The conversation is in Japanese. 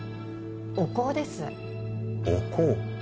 お香ですお香